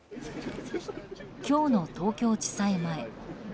今日の東京地裁前。